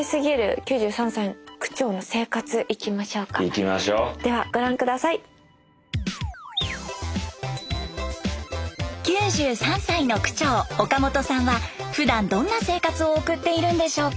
９３歳の区長岡本さんはふだんどんな生活を送っているんでしょうか。